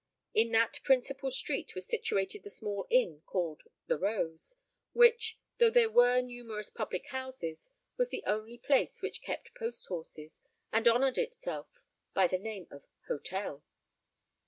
In that principal street was situated the small inn called the Rose, which, though there were numerous public houses, was the only place which kept post horses, and honoured itself by the name of hotel.